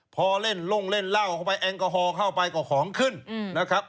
พอเล่นลงเล่นเหล้าเข้าไปแอลกอฮอลเข้าไปก็ของขึ้นนะครับ